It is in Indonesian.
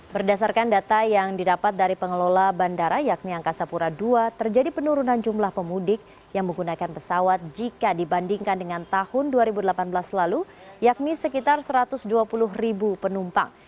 berdasarkan data yang didapat dari pengelola bandara yakni angkasa pura ii terjadi penurunan jumlah pemudik yang menggunakan pesawat jika dibandingkan dengan tahun dua ribu delapan belas lalu yakni sekitar satu ratus dua puluh ribu penumpang